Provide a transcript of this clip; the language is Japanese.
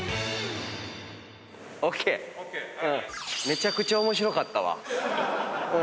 めちゃくちゃ面白かったわ。